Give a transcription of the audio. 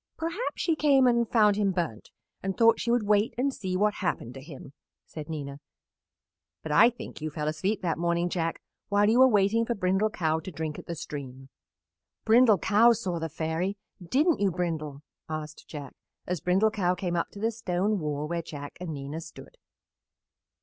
"Perhaps she came and found him burnt and thought she would wait and see what happened to him," said Nina, "but I think you fell asleep that morning, Jack, while you were waiting for Brindle Cow to drink at the stream." "Brindle Cow saw the Fairy. Didn't you, Brindle?" asked Jack, as Brindle Cow came up to the stone wall where Jack and Nina stood.